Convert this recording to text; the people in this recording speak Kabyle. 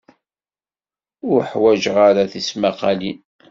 Ur ḥwajeɣ ara tismaqqalin.